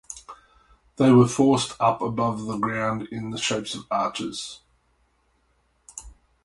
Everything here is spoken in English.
They were forced up above the ground in the shape of arches.